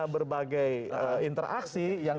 berbagai interaksi yang